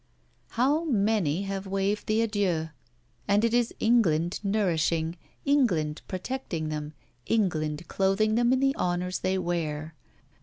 How many have waved the adieu! And it is England nourishing, England protecting them, England clothing them in the honours they wear.